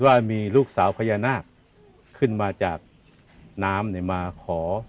แกมาสวยเคยอีกนิด